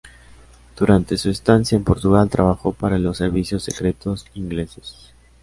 Durante su estancia en Portugal, trabajó para los servicios secretos ingleses.